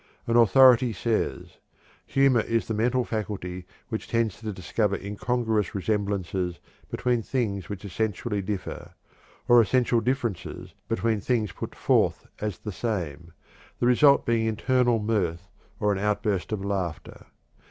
An authority says: "Humor is a mental faculty which tends to discover incongruous resemblances between things which essentially differ, or essential differences between things put forth as the same, the result being internal mirth or an outburst of laughter.